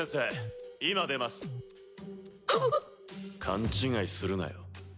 勘違いするなよ。